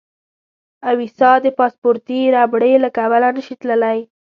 اوېستا د پاسپورتي ربړې له کبله نه شي تللی.